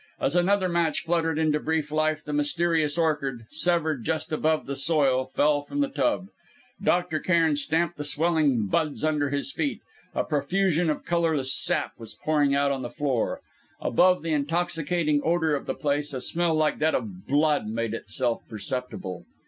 As another match fluttered into brief life, the mysterious orchid, severed just above the soil, fell from the tub. Dr. Cairn stamped the swelling buds under his feet. A profusion of colourless sap was pouring out upon the floor. Above the intoxicating odour of the place, a smell like that of blood made itself perceptible.